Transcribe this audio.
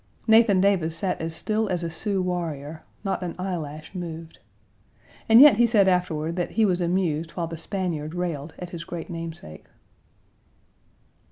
Nathan Davis sat as still as a Sioux warrior, not an eyelash moved. And yet he said afterward that he was amused while the Spaniard railed at his great namesake.